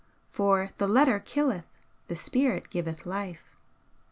For 'the letter killeth, the spirit giveth life.'